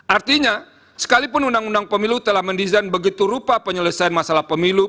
artinya sekalipun undang undang pemilu telah mendesain begitu rupa penyelesaian masalah pemilu